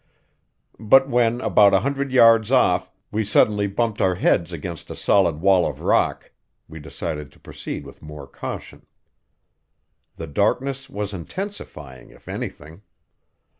But when, about a hundred yards off, we suddenly bumped our heads against a solid wall of rock, we decided to proceed with more caution. The darkness was intensified, if anything.